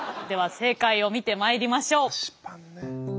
では正解を見てまいりましょう。